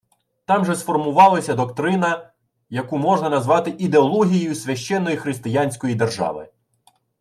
Там же сформувалася доктрина, яку можна назвати «ідеологією священної християнської держави»